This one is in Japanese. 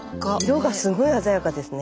色がすごい鮮やかですね。